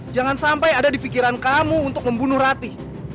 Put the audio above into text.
jangan sampai ada di pikiran kamu untuk membunuh rati